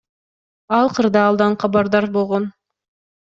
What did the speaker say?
Ал кырдаалдан кабардар болгон.